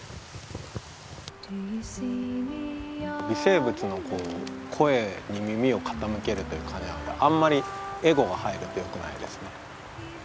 微生物の声に耳を傾けるという感じなのであまりエゴが入るとよくないですね。